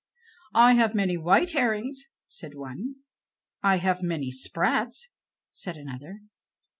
"I have many white herrings," said one. "I have many sprats," said another.